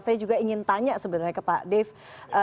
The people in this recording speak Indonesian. saya juga ingin tanya sebenarnya ke pak dave